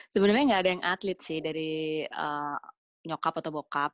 sebenarnya nggak ada yang atlet sih dari nyokap atau bokap